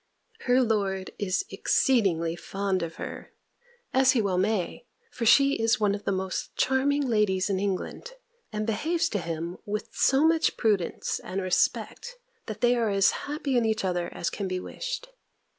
Her lord is exceedingly fond of her, as he well may; for she is one of the most charming ladies in England; and behaves to him with so much prudence and respect, that they are as happy in each other as can be wished.